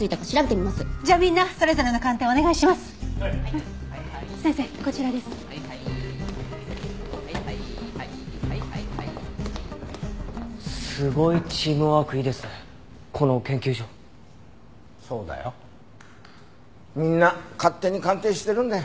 みんな勝手に鑑定してるんだよ。